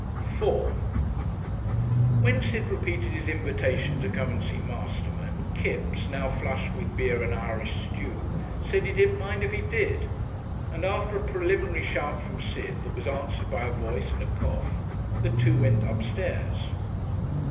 §4 When Sid repeated his invitation to come and see Masterman, Kipps, now flushed with beer and Irish stew, said he didn't mind if he did, and after a preliminary shout from Sid that was answered by a voice and a cough, the two went upstairs.